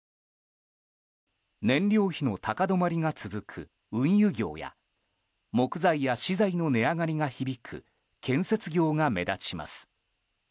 燃料費の高止まりが続く運輸業や木材や資材の値上がりが響く建設業が目立ちます。